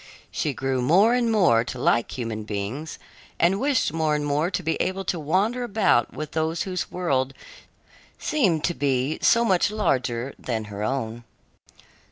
She grew more and more to like human beings and wished more and more to be able to wander about with those whose world seemed to be so much larger than her own.